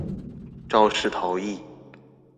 肇事逃逸